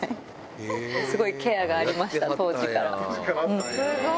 すごいケアがありました、すごい！